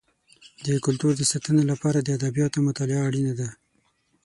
د کلتور د ساتنې لپاره د ادبیاتو مطالعه اړینه ده.